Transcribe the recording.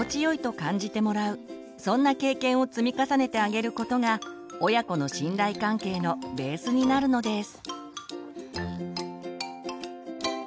そんな経験を積み重ねてあげることが親子の信頼関係のベースになるのです。